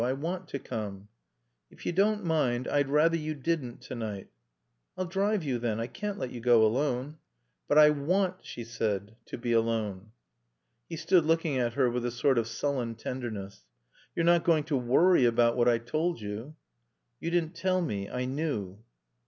I want to come." "If you don't mind, I'd rather you didn't to night." "I'll drive you, then. I can't let you go alone." "But I want," she said, "to be alone." He stood looking at her with a sort of sullen tenderness. "You're not going to worry about what I told you?" "You didn't tell me. I knew."